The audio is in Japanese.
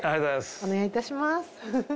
お願いいたします。